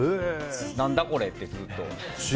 何だこれって、ずっと。